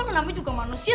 namanya juga manusia